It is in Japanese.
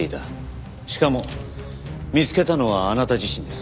しかも見つけたのはあなた自身です。